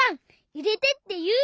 「いれて」っていう！